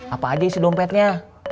apa aja isi dompetnya